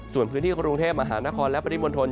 ส่วนพื้นที่กรุงเทพมหานครและปริมณฑล